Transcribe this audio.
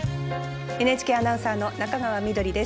ＮＨＫアナウンサーの中川緑です。